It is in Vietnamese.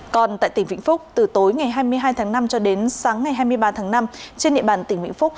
còn tại tỉnh vĩnh phúc từ tối ngày hai mươi hai tháng năm cho đến sáng ngày hai mươi ba tháng năm trên địa bàn tỉnh vĩnh phúc